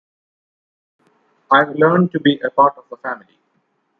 I've learnt to be a part of the family.